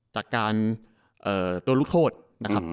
จากการโดนลูกโทษนะครับ